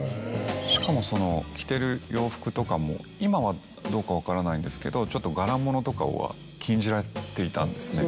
しかも着てる洋服とかも今はどうか分からないんですけどちょっと柄物とかは禁じられていたんですね。